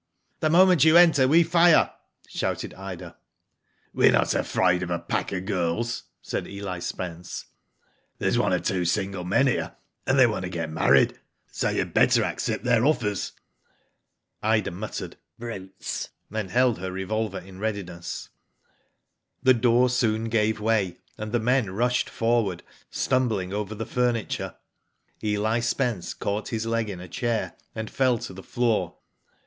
"The moment you enter, we fire!" shouted Ida. "We're not afraid of a pack of girls," said Eli Spence* "There's one or two single men here, and they want to get . married, so you'd better ^ccept their offers." Digitized byGoogk 172 WHO HID ITf Ida muttered " Brutes/* and held her revolver in readiness. The door soon gave way, and the men rushed forward, stumbling over the furniture. Eli Spence caught his leg in a chair, and fell to the floor.